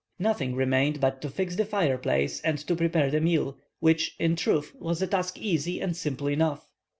Nothing remained but to fix the fireplace and to prepare the meal, which, in truth, was a task easy and simple enough.